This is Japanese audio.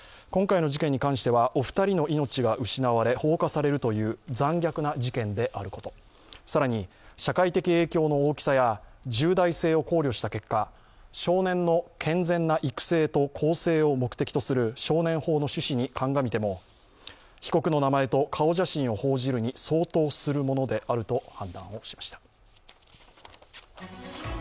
今回の事件に関してはお二人の命が失われ放火されるという残虐な事件であること、更に、社会的影響の大きさや重大性を考慮した結果、少年の健全な育成と更生を目的とする少年法の趣旨を鑑みても被告の名前と顔写真を報じるに相当するものであると判断をしました。